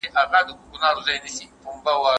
موږ کولای سو چي په ټوله نړۍ کي خپل تولیدات وپلورو.